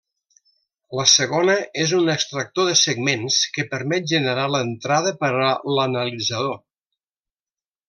La segona és un extractor de segments que permet generar l'entrada per a l'analitzador.